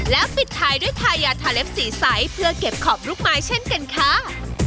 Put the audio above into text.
แล้วปิดท้ายด้วยทายาทาเล็บสีใสเพื่อเก็บขอบลูกไม้เช่นกันค่ะ